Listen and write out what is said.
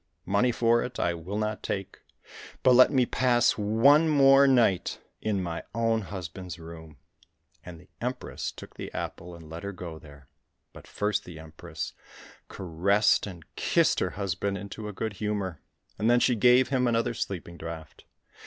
money for it I will not take, but let me pass one more night in I my own husband's room !"— And the Empress 202 THE SERPENT TSAREVICH took the apple, and let her go there. But first the Empress caressed and kissed her husband into a good humour, and then she gave him another sleeping draught.